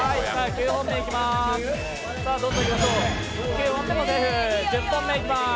９本目いきます。